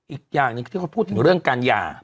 อีกอย่างหนึ่งที่เขาพูดถึงเรื่องการหย่า